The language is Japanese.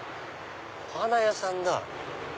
お花屋さんだ。